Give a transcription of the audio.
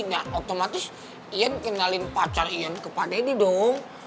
nah otomatis iyan kenalin pacar iyan ke pak daddy dong